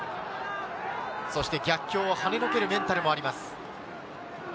そして逆境を跳ね除けるメンタルもあります。